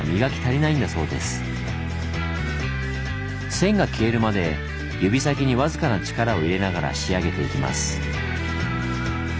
線が消えるまで指先に僅かな力を入れながら仕上げていきます。